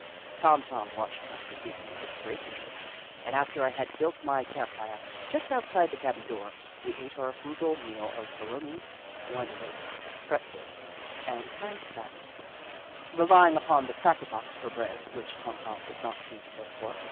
Tom Tom watched my proceedings with great interest, and after I had built my camp Little Upsidaisi 5 fire, just outside the cabin door, we ate our frugal meal of bologna, wienerwursts, pretzels, and canned salmon, relying upon the cracker box for bread, which Tom Tom did not seem to care for.